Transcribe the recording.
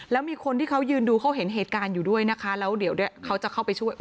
แล้วมีคนที่เขายืนดูเขาเห็นเหตุการณ์อยู่ด้วยนะคะแล้วเดี๋ยวเขาจะเข้าไปช่วย